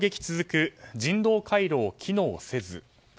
攻撃続く、人道回廊機能せず。